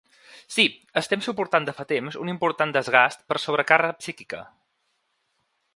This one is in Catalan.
Sí, estem suportant de fa temps un important desgast per sobrecàrrega psíquica.